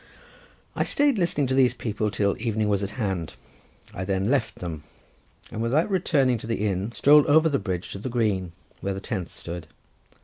I stayed listening to these people till evening was at hand. I then left them, and without returning to the inn strolled over the bridge to the green, where the tents stood.